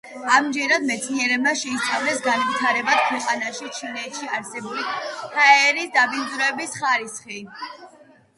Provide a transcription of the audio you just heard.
ამჯერად მეცნიერებმა შეისწავლეს განვითარებად ქვეყანაში, ჩინეთში არსებული ჰაერის დაბინძურების ხარისხი.